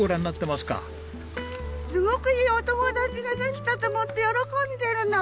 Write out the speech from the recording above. すごくいいお友達ができたと思って喜んでるの。